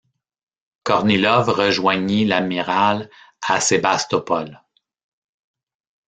Kornilov rejoignit l'amiral à Sébastopol.